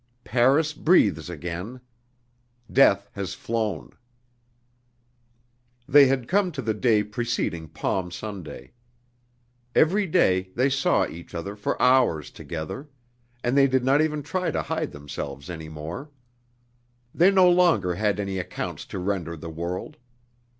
Paris breathes again. Death has flown. THEY had come to the day preceding Palm Sunday. Every day they saw each other for hours together; and they did not even try to hide themselves any more. They no longer had any accounts to render the world.